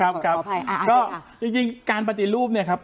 ครับครับขออภัยอ่าจริงจริงการปฏิรูปเนี่ยครับ